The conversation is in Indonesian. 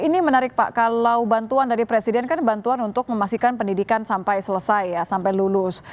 ini menarik pak kalau bantuan dari presiden kan bantuan untuk memastikan pendidikan sampai selesai ya sampai lulus